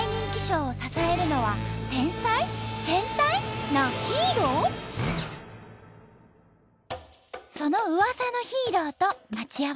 そのうわさのヒーローと待ち合わせ。